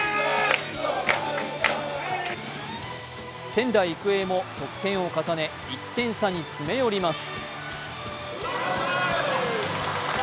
仙台育英も得点を重ね、１点差に詰め寄ります。